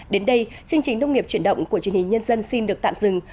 đến đây chương trình nông nghiệp chuyển động của truyền hình nhân dân xin được tạm dừng